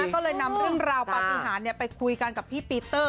ก็เลยนำเรื่องราวปฏิหารไปคุยกันกับพี่ปีเตอร์